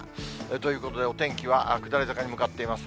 ということで、お天気は下り坂に向かっています。